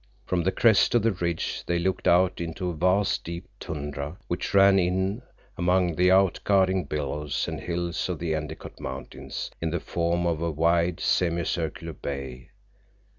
From the crest of the ridge they looked out into a vast sweep of tundra which ran in among the out guarding billows and hills of the Endicott Mountains in the form of a wide, semicircular bay.